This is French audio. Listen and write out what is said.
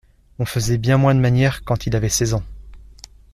On faisait bien moins de manières quand il avait seize ans.